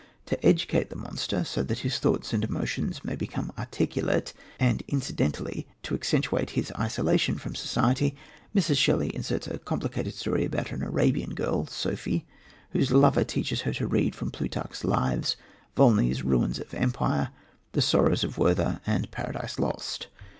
To educate the monster, so that his thoughts and emotions may become articulate, and, incidentally, to accentuate his isolation from society, Mrs. Shelley inserts a complicated story about an Arabian girl, Sofie, whose lover teaches her to read from Plutarch's Lives, Volney's Ruins of Empire, The Sorrows of Werther, and Paradise Lost.